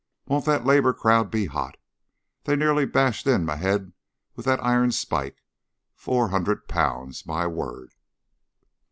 Won't that labor crowd be hot? They nearly bashed in my head with that iron spike. Four hundred pounds! My word!"